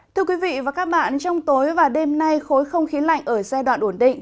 thưa quý vị và các bạn trong tối và đêm nay khối không khí lạnh ở giai đoạn ổn định